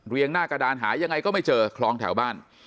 หน้ากระดานหายังไงก็ไม่เจอคลองแถวบ้าน